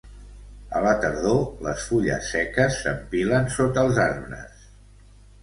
A la tardor les fulles seques s'empilen sota els arbres.